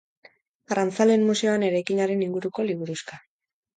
Arrantzaleen museoan eraikinaren inguruko liburuxka.